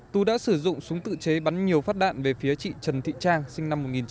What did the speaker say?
tú đã sử dụng súng tự chế bắn nhiều phát đạn về phía chị trần thị trang sinh năm một nghìn chín trăm tám mươi